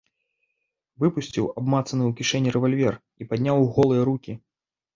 Выпусціў абмацаны ў кішэні рэвальвер і падняў голыя рукі.